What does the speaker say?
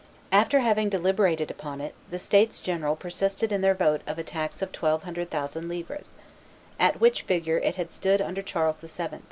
After having deliberated upon it, the states general persisted in their vote of a tax of twelve hundred thousand livres, at which figure it had stood under King Charles VII.